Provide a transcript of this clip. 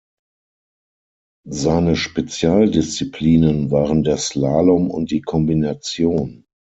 Seine Spezialdisziplinen waren der Slalom und die Kombination.